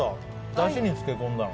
だしに漬け込んだの？